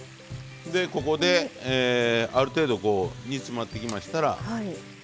でここである程度煮詰まってきましたら菜の花。